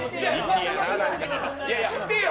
来てよ！